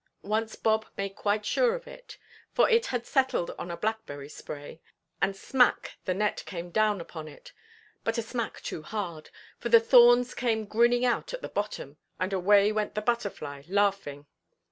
Once Bob made quite sure of it, for it had settled on a blackberry–spray, and smack the net came down upon it, but a smack too hard, for the thorns came grinning out at the bottom, and away went the butterfly laughing.